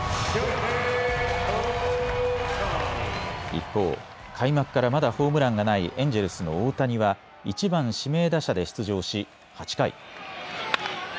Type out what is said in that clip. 一方、開幕からまだホームランがないエンジェルスの大谷は１番・指名打者で出場し８回。